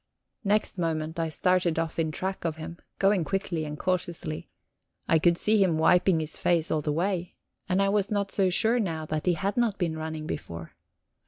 Next moment I started off in track of him, going quickly and cautiously; I could see him wiping his face all the way, and I was not so sure now that he had not been running before.